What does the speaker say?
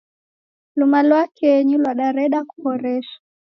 Luma lwa kenyi lwadareda kuhoresha.